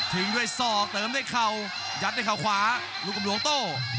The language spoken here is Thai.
ด้วยศอกเติมด้วยเข่ายัดด้วยเขาขวาลูกกำหลวงโต้